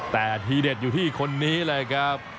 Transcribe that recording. แต่ทีเด็ดอยู่ที่คนนี้เลยครับ